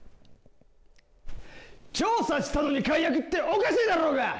調査したのに解約っておかしいだろうが！